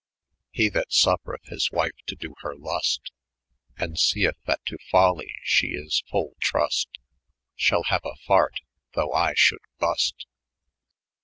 191 ' He that sufireth his wyfe to do her Inst, And aeeth that to foly she is full trust, ShaU haue a fort, though I sholde burst.